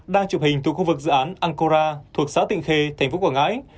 đang chụp hình từ khu vực dự án ancora thuộc xã tịnh khê thành phố quảng ngãi